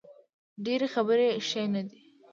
ډیرې خبرې ښې نه دي